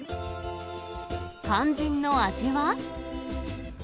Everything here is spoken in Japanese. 肝心の味は？